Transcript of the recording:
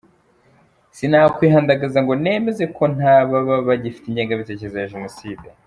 Sinakwihandagaza ngo nemeze ko ntababa bagifite ingangabitekerezo ya Jenoside.